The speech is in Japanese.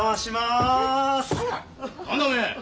何だおめえ！